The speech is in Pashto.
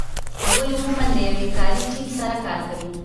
هغوی عمومآ له یو کاري ټیم سره کار کوي.